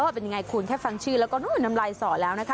เป็นยังไงคุณแค่ฟังชื่อแล้วก็นู้นน้ำลายสอแล้วนะคะ